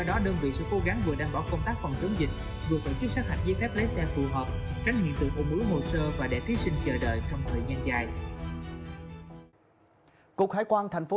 tránh hiện tượng ủng hộ hồ sơ và để thí sinh chờ đợi trong thời gian dài